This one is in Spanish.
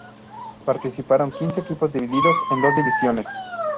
Participaron quince equipos divididos en dos divisiones.